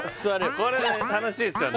これ楽しいっすよね